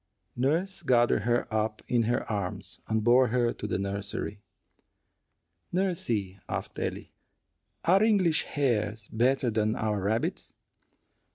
Nurse gathered her up in her arms, and bore her to the nursery. "Nursey," asked Ellie, "are English hares better than our rabbits?"